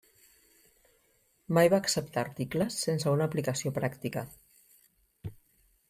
Mai va acceptar articles sense una aplicació pràctica.